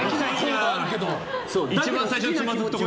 一番最初につまずくところ。